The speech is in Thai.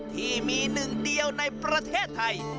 ที่มีหนึ่งเดียวในประเทศไทย